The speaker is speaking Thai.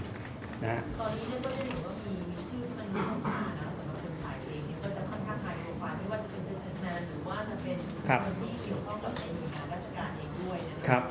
ตอนนี้ก็ได้เห็นว่ามีชื่อที่มีความฝ่าสำหรับคนขายเพลง